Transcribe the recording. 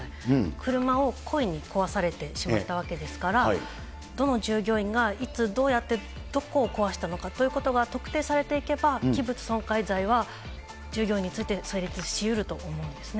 車を故意に壊されてしまったわけですから、どの従業員が、いつ、どうやってどこを壊したのかということが特定されていけば、器物損壊罪は従業員について成立しうると思うんですね。